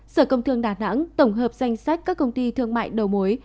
sở công thương đà nẵng tổng hợp danh sách các công ty thương mại đầu mối